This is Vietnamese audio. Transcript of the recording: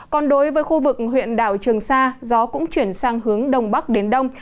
còn đối với khu vực huyện đảo trường sa gió cũng chuyển sang hướng đông bắc đến đông